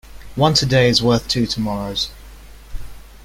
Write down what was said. One today is worth two tomorrows.